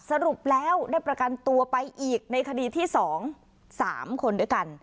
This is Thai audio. สรุปแล้วได้ประกันตัวไปอีกในคดีที่๒๓คนด้วยกัน